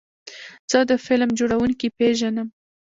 زه د فلم جوړونکي پیژنم.